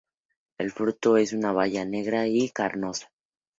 El fruto es una baya negra y carnosa.